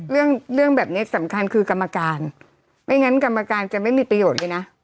เรื่องเรื่องแบบนี้สำคัญคือกรรมการไม่งั้นกรรมการจะไม่มีประโยชน์เลยนะ